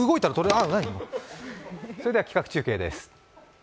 それでは企画中継です。